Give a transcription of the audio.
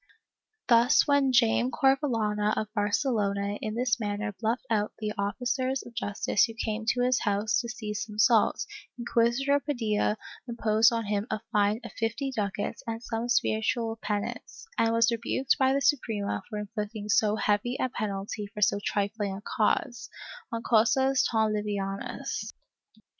Thus when Jayme Corvehana of Barcelona in this manner bluffed off the officers of justice who came to his house to seize some salt, Inc|uisitor Paclilla imposed on him a fine of fifty ducats and some spiritual penance, and was rebuked by the Suprema for inflicting so heavy a penalty for so trifling a cause — ''en causas tan livianas.''